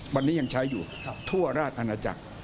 วันนี้ยังใช้อยู่ทั่วราชอาณาจักร